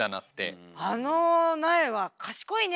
あの苗は賢いね！